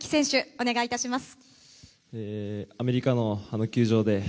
お願いいたします。